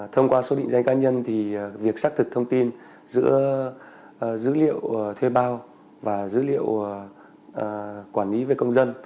thông qua số định danh cá nhân thì việc xác thực thông tin giữa dữ liệu thuê bao và dữ liệu quản lý về công dân